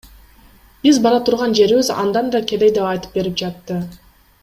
Биз бара турган жерибиз андан да кедей деп айтып берип жатты.